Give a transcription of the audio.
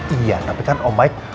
iya tapi kan om baik